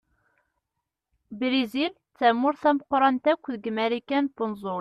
Brizil d tamurt tameqqṛant akk deg Marikan n unẓul.